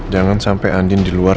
jangan sampai andin di luar